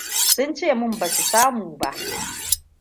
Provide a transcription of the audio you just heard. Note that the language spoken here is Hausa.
Sun ce min ba su samu ba.